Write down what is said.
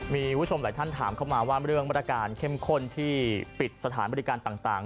มีคุณผู้ชมหลายท่านถามเข้ามาว่าเรื่องมาตรการเข้มข้นที่ปิดสถานบริการต่าง